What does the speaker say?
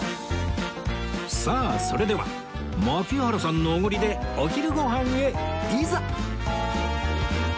さあそれでは槙原さんのおごりでお昼ご飯へいざ！